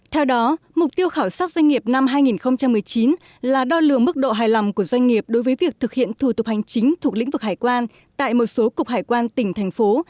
theo đó mục tiêu khảo sát doanh nghiệp năm hai nghìn một mươi chín là đo lường mức độ hài lòng của doanh nghiệp đối với việc thực hiện thủ tục hành chính thuộc lĩnh vực hải quan tại một số cục hải quan tỉnh thành phố